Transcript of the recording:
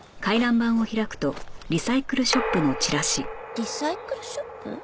リサイクルショップ？